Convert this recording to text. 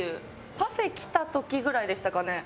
パフェきた時ぐらいでしたかね。